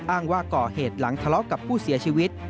อ้างว่าก่อเหตุหลังทะเลาะกับผู้เสียชีวิต